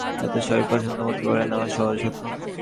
মনের মধ্যে এমন কিছু এনেছিলুম যাতে সবই পছন্দমত করে নেওয়া সহজ হত।